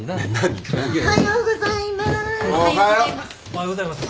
おはようございます。